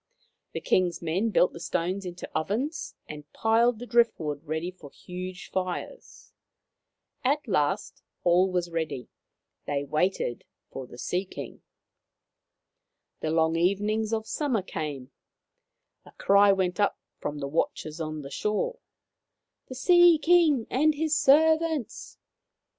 The King's men built the stones into ovens and piled the driftwood ready for huge fires. At last all was ready. They waited for the Sea King. The long evenings of summer came. A cry The Fountain of Fish 153 went up from the watchers on shore :" The Sea King and his servants !